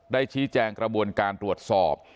ได้ชี้แจงกระบวนการตรวจสอบ